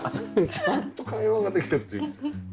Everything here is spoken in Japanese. ちゃんと会話ができてるという。